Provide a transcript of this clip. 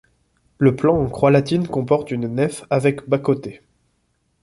Le plan en croix latine comporte une nef avec bas-côtés.